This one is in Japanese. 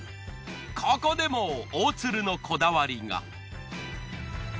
ここでも大鶴のこだわりが。